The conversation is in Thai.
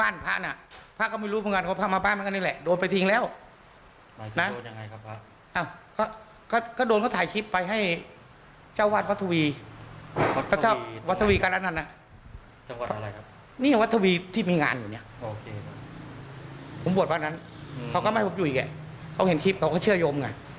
นี่คือวัดทวีที่มีงานอยู่เนี่ยผมบวชวัดนั้นเขาก็ไม่ให้ผมอยู่อีกไงเขาเห็นคลิปเขาก็เชื่อยมไง